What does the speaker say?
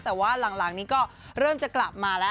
แต่ว่าหลังนี้ก็เริ่มจะกลับมาแล้ว